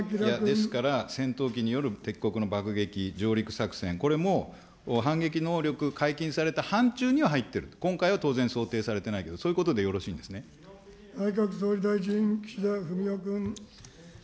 ですから、戦闘機による敵国の爆撃、上陸作戦、これも反撃能力、解禁された範ちゅうには入ってる、今回は当然想定されてないけど、内閣総理大臣、岸田文雄君。